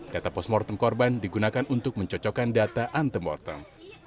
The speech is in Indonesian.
data pos mortem korban digunakan untuk mencocokkan data antemortem